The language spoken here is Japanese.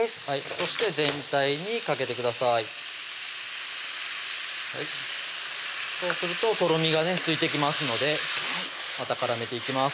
そして全体にかけてくださいそうするととろみがねついてきますのでまた絡めていきます